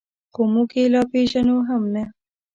خو موږ یې لا پېژنو هم نه.